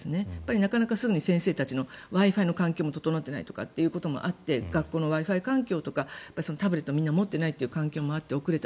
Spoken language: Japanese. なかなかすぐに先生たちのＷｉ−Ｆｉの環境も整っていないというところもあって学校のＷｉ−Ｆｉ環境とかタブレットをみんな持っていないというのもあり遅れた。